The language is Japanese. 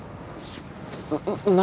何？